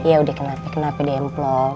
ya udah kenapai kenapai demplong